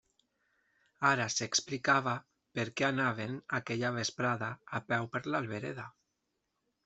Ara s'explicava per què anaven aquella vesprada a peu per l'Albereda.